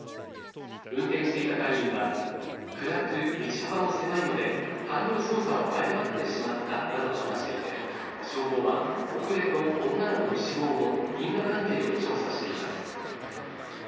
運転していた隊員は暗く、道幅も狭いのでハンドル操作を誤ってしまったなどと話していて消防は遅れと女の子の死亡の因果関係を調査しています。